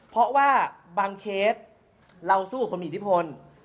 เพราะว่าบางเคสเราสู้กับคนมีอิทธิพล